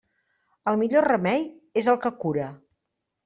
El millor remei és el que cura.